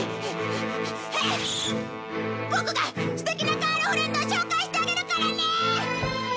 ボクが素敵なガールフレンドを紹介してあげるからねーっ！